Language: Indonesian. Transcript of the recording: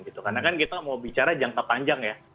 karena kan kita mau bicara jangka panjang ya